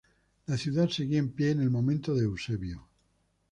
La ciudad seguía en pie en el momento de Eusebio.